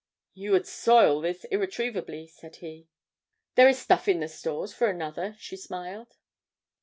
"You would soil this irretrievably," said he. "There is stuff in the stores for another," she smiled.